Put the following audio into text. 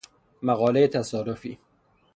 مقالهٔ تصادفی